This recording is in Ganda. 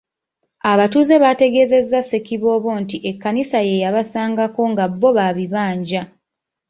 Abatuuze bategeezezza Ssekiboobo nti Ekkanisa ye yabasangako nga bbo ba bibanja.